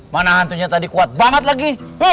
mana hantunya tadi kuat banget lagi